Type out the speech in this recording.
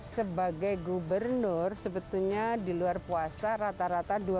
sebagai gubernur sebetulnya di luar puasa rata rata dua puluh